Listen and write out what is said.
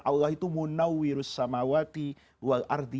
allah itu munawwirussamawati wal ardi